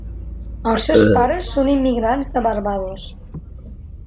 Els seus pares són immigrants de Barbados.